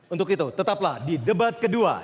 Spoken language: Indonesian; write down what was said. untuk itu tetaplah di debat kedua